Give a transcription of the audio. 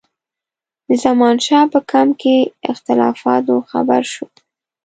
د زمانشاه په کمپ کې اختلافاتو خبر شو.